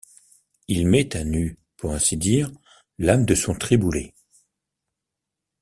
Il met à nu, pour ainsi dire, l’âme de son Triboulet.